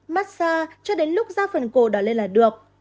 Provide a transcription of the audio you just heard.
mát xa cho đến lúc da phần cổ đỏ lên là được